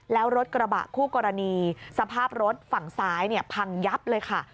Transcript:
แล้วรถกระบะคู่กรณีสภาพรถฝั่งซ้ายพังยับเลยค่ะ